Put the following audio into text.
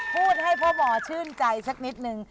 พูดให้พ่อหมอชื่นใจสักนิดนึง